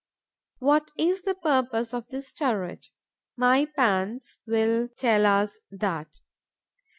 What is the purpose of this turret? My pans will tell us that.